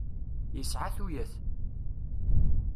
Yesεa tuyat.